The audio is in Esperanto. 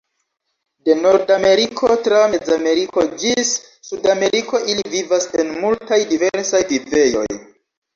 De Nordameriko tra Mezameriko ĝis Sudameriko ili vivas en multaj diversaj vivejoj.